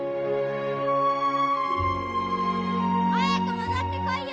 早く戻ってこいよ！